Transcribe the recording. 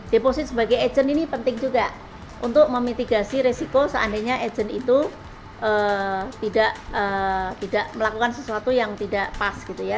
deposit sebagai agent ini penting juga untuk memitigasi resiko seandainya agent itu tidak melakukan sesuatu yang tidak pas gitu ya